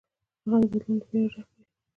هغه د بدلون له ویرې ډک دی.